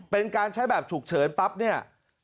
เป็นการใช้แบบฉุกเฉินปั๊บเนี่ย